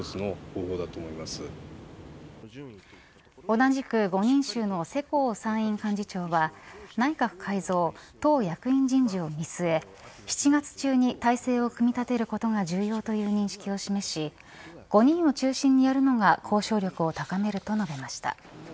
同じく５人衆の世耕参院幹事長は内閣改造、党役員人事を見据え７月中に体制を組み立てることが重要という認識を示し５人を中心にやるのが交渉力を高めると述べました。